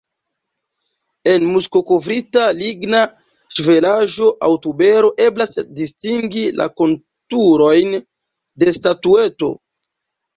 En muskokovrita ligna ŝvelaĵo aŭ tubero eblas distingi la konturojn de statueto.